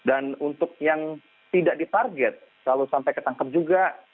dan untuk yang tidak ditarget kalau sampai ketangkap juga